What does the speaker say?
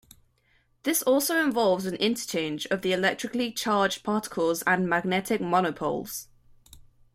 This also involves an interchange of the electrically charged particles and magnetic monopoles.